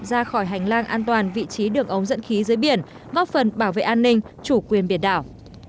ra khỏi hành lang an toàn vị trí đường ống dẫn khí dưới biển góp phần bảo vệ an ninh chủ quyền biển đảo